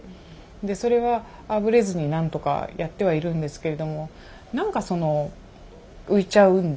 でそれはあぶれずになんとかやってはいるんですけれども何かその浮いちゃうんですよね。